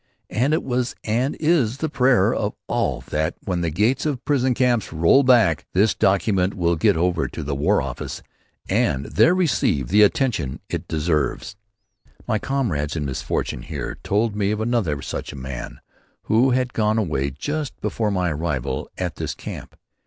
And it was and is the prayer of all that when the gates of the prison camps roll back this document will get to the War Office and there receive the attention it deserves. My comrades in misfortune here told me of another such a man who had gone away just before my arrival at this camp.